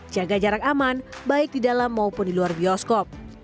jaga jarak aman baik di dalam maupun di luar bioskop